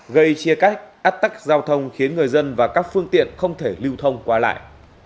gây chia cắt ách tắc giao thông khiến người dân và các phương tiện không thể lưu thông qua lại